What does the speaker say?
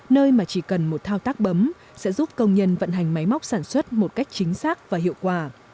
nơi mà chỉ cần một thao tác bấm sẽ giúp công nhân vận hành máy móc sản xuất một cách chính xác và hiệu quả